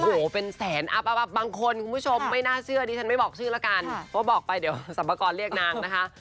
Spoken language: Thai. โอ้โหเป็นแสนอัพบางคนคุณผู้ชมไม่น่าเชื่อดิฉันไม่บอกชื่อละกันว่าบอกไปเดี๋ยวสรรพากรเรียกนางนะคะ